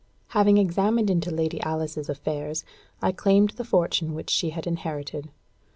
Having examined into Lady Alice's affairs, I claimed the fortune which she had inherited.